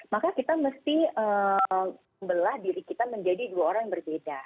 maka kita mesti membelah diri kita menjadi dua orang yang berbeda